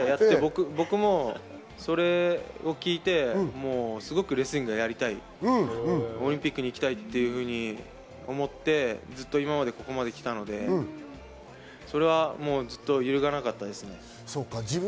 僕もそれを聞いてすごくレスリングをやりたい、オリンピックに行きたいというふうに思ってずっとここまでやってきたので、ずっと揺るがなかったですね。